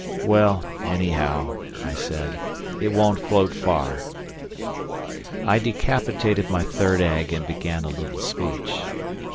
"Well, anyhow," I said, "it won't float far." I decapitated my third egg, and began a little speech.